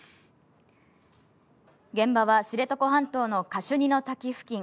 現場は知床半島のカシュニの滝付近。